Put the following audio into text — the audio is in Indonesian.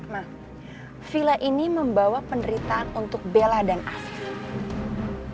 ma villa ini membawa penderitaan untuk bella dan afif